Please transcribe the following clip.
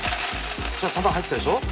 玉入ったでしょ？